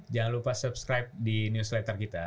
jangan lupa subscribe di newslater kita